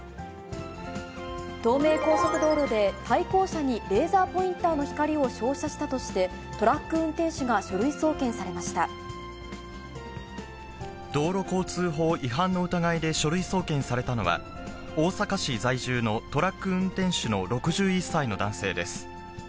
東名高速道路で、対向車にレーザーポインターの光を照射したとして、トラック運転道路交通法違反の疑いで書類送検されたのは、大阪市在住のトラック運転手の６１歳の男性です。